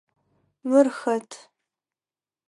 Мыр хэт?